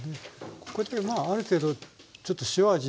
こうやってまあある程度ちょっと塩味っていいますかね？